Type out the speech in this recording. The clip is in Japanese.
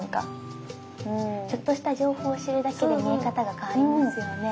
ちょっとした情報を知るだけで見え方が変わりますよね。